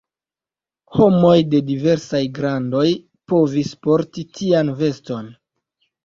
Homoj de diversaj grandoj povis porti tian veston.